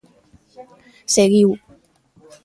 Seguiu.